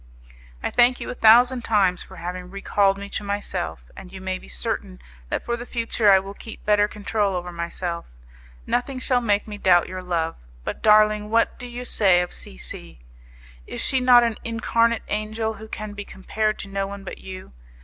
I thank you a thousand times for having recalled me to myself, and you may be certain that for the future I will keep better control over myself; nothing shall make me doubt your love. But, darling, what do you say of C C ? Is she not an incarnate angel who can be compared to no one but you?